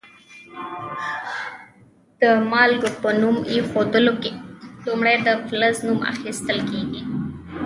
د مالګو په نوم ایښودلو کې لومړی د فلز نوم اخیستل کیږي.